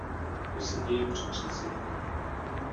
To se děje při řízení.